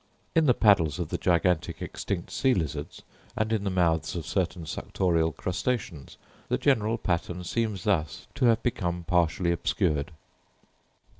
In the paddles of the gigantic extinct sea lizards, and in the mouths of certain suctorial crustaceans, the general pattern seems thus to have become partially obscured.